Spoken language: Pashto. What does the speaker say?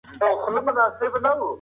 ما تر اوسه د کرکټ لوبه نه ده بایللې.